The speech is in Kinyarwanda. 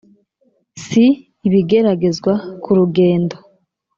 Si ibigeragezwa ku rugendo!